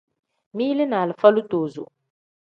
Mili ni alifa litozo.